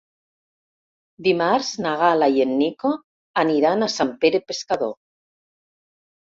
Dimarts na Gal·la i en Nico aniran a Sant Pere Pescador.